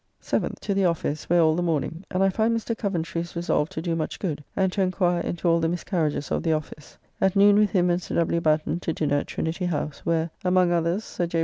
7th. To the office, where all the morning, and I find Mr. Coventry is resolved to do much good, and to enquire into all the miscarriages of the office. At noon with him and Sir W. Batten to dinner at Trinity House; where, among others, Sir J.